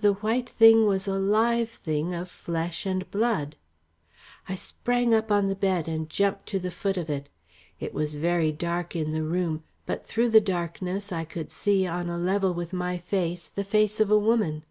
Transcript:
The white thing was a live thing of flesh and blood. I sprang up on the bed and jumped to the foot of it. It was very dark in the room, but through the darkness, I could see, on a level with my face, the face of a woman.